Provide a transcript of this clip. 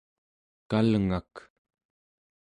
kalngak